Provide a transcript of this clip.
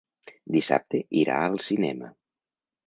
Dissabte irà al cinema.